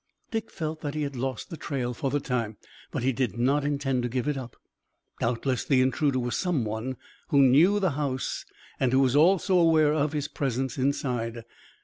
Dick felt that he had lost the trail for the time, but he did not intend to give it up. Doubtless the intruder was some one who knew the house and who was also aware of his presence inside.